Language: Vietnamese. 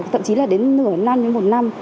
tậm chí là đến nửa năm một năm